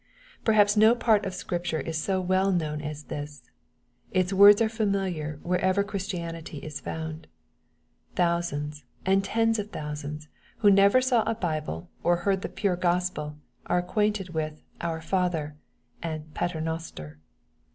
Perhaps no part of Scripture is so well known as this. Its words are familiar, wherever Christianity is found. Thousands, and tens of thousands, who never saw a Bible, or heard the pure Gospel, are acquainted with "Our Father," and " Paternoster."